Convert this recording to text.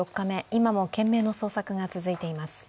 今も懸命の捜索が続いています。